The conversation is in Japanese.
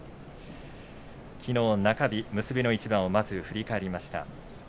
きのう中日結びの一番をまず振り返りました。